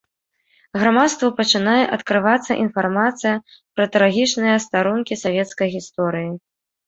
Грамадству пачынае адкрывацца інфармацыя пра трагічныя старонкі савецкай гісторыі.